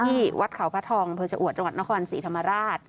ที่วัดเขาพระทองอำเภอชะอวดจังหวัดนครศรีธรรมราช